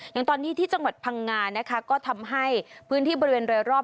อย่างตอนนี้ที่จังหวัดพังงานะคะก็ทำให้พื้นที่บริเวณโดยรอบ